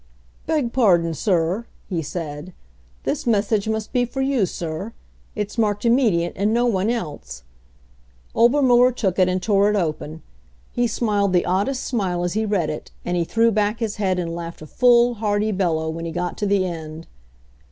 "Beg pardon, sir," he said. "This message must be for you, sir. It's marked immediate, and no one else " Obermuller took it and tore it open. He smiled the oddest smile as he read it, and he threw back his head and laughed a full, hearty bellow when he got to the end.